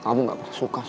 kamu nggak suka